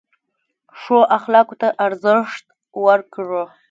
ښو اخلاقو ته ارزښت ورکړه.